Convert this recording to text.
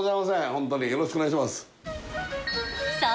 ホントによろしくお願いします